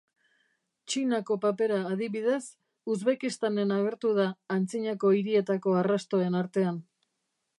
Txinako papera, adibidez, Uzbekistanen agertu da antzinako hirietako arrastoen artean.